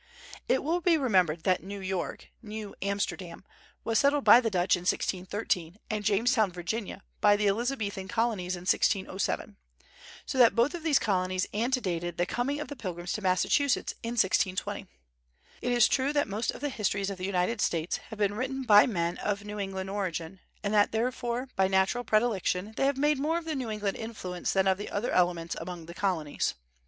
It will be remembered that New York (Nieuw Amsterdam) was settled by the Dutch in 1613, and Jamestown, Virginia, by the Elizabethan colonies in 1607. So that both of these colonies antedated the coming of the Pilgrims to Massachusetts in 1620. It is true that most of the histories of the United States have been written by men of New England origin, and that therefore by natural predilection they have made more of the New England influence than of the other elements among the Colonies.